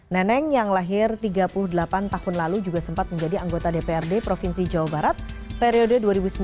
neneng yang lahir tiga puluh delapan tahun lalu juga sempat menjadi anggota dprd provinsi jawa barat periode dua ribu sembilan belas dua ribu dua